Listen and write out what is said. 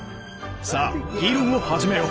さあ議論を始めよう。